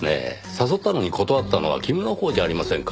誘ったのに断ったのは君のほうじゃありませんか。